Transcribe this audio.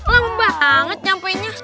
lama banget nyampainya